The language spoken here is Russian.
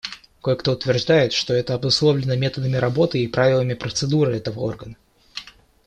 Кое-кто утверждает, что это обусловлено методами работы и правилами процедуры этого органа.